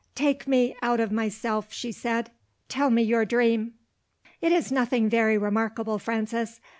"Take me out of myself," she said; "tell me your dream." "It is nothing very remarkable, Frances.